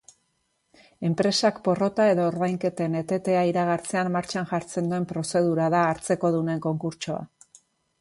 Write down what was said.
Enpresak porrota edo ordainketen etetea iragartzean martxan jartzen den prozedura da hartzekodunen konkurtsoa.